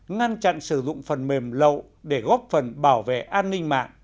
ngăn chặn sử dụng phần mềm lậu để góp phần bảo vệ an ninh mạng